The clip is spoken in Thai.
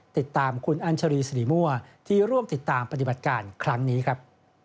ติดตามคุณอัญชรีสิริมั่วที่ร่วมติดตามปฏิบัติการครั้งนี้ครับ